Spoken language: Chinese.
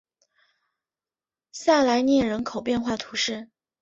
萨莱涅人口变化图示